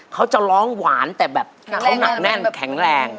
เขาจะร้องหวานแต่แบบเขาหนักแน่นแข็งแรง